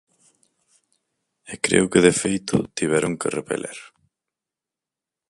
E creo que de feito tiveron que repeler...